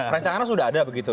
rancangan sudah ada begitu